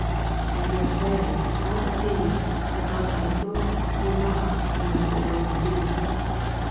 And yet they, out of Thee, and out of the soul, were not, unless they were from Thee.